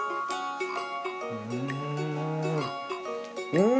うん。